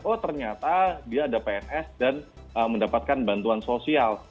oh ternyata dia ada pns dan mendapatkan bantuan sosial